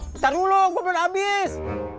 bentar dulu gue belum habis